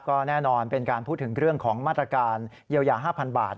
ก็แน่นอนเป็นการพูดถึงเรื่องของมาตรการเยียวยา๕๐๐บาท